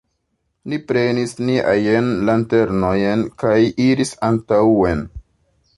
Ni prenis niajn lanternojn kaj iris antaŭen.